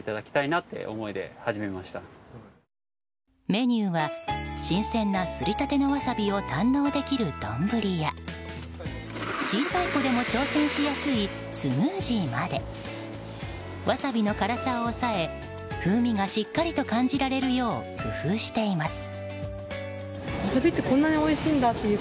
メニューは新鮮なすり立てのワサビを堪能できる丼や小さい子でも挑戦しやすいスムージーまでワサビの辛さを抑え風味がしっかりと感じられるよう工夫しています。